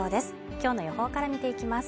きょうの予報から見ていきます